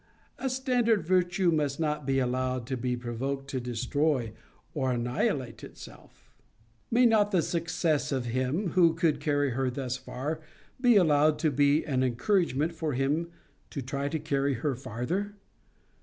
A standard virtue must not be allowed to be provoked to destroy or annihilate itself. 'May not then the success of him, who could carry her thus far, be allowed to be an encouragement for him to try to carry her farther?'